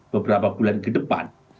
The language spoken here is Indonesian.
beberapa bulan kedepan